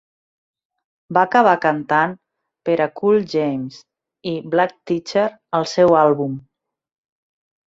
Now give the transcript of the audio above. Va acabar cantant per a Cool James i Black Teacher al seu àlbum.